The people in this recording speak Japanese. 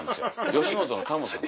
吉本のタモさん。